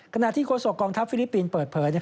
ขณะที่โฆษกองทัพฟิลิปปินส์เปิดเผย